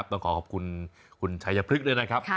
ดีต้องขอขอบคุณชายพรึกด้วยนะครับ